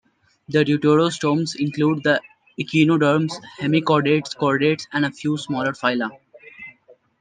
The deuterostomes include the echinoderms, hemichordates, chordates, and a few smaller phyla.